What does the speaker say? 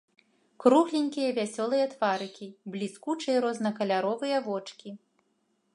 Кругленькія вясёлыя тварыкі, бліскучыя рознакаляровыя вочкі.